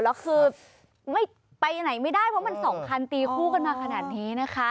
แล้วคือไม่ไปไหนไม่ได้เพราะมันสองคันตีคู่กันมาขนาดนี้นะคะ